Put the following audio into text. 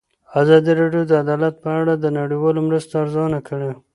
ازادي راډیو د عدالت په اړه د نړیوالو مرستو ارزونه کړې.